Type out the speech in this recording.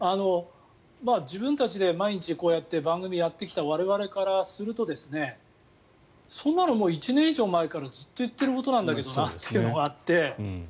自分たちで毎日こうやって番組をやってきた我々からするとそんなのもう１年以上前からずっと言ってることなんだけどなというのがあって。